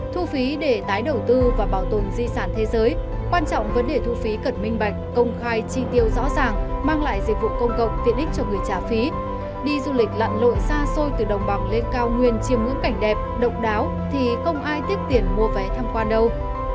thu phí để tái đầu tư và bảo tồn di sản thế giới quan trọng vấn đề thu phí cần minh bạch công khai chi tiêu rõ ràng mang lại dịch vụ công cộng tiện ích cho người trả phí đi du lịch lặn lội xa xôi từ đồng bằng lên cao nguyên chiêm ngưỡng cảnh đẹp độc đáo thì không ai tiếc tiền mua vé tham quan đâu